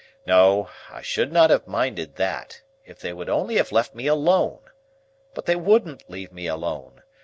No; I should not have minded that, if they would only have left me alone. But they wouldn't leave me alone.